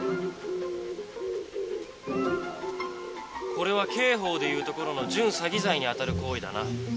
これは刑法でいうところの準詐欺罪に当たる行為だな。